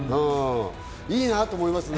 いいなと思いますね。